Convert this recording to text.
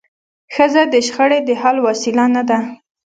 ښځه د شخړي د حل وسیله نه ده.